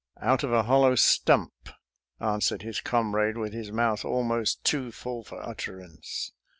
"" Out of a hollow stump," answered his com rade, with his mouth almost too full for utter ance.